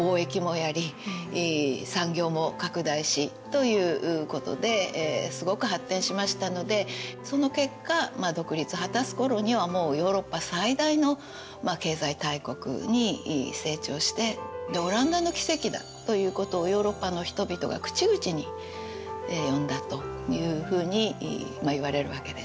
そういう中でオランダはすごく発展しましたのでその結果独立を果たす頃にはもうヨーロッパ最大の経済大国に成長してオランダの奇跡だということをヨーロッパの人々が口々に呼んだというふうにいわれるわけですね。